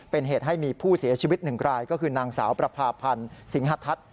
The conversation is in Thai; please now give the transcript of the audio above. เป็นเหตุให้มีผู้เสียชีวิตหนึ่งรายก็คือนางสาวประพาพันธ์สิงหทัศน์